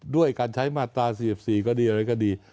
ด้วยการใช้มาตรา๔๔ก็ดีอะไรก็ดี